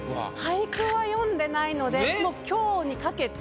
俳句は詠んでないのでまあ今日にかけて